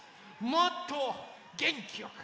もっとげんきよく。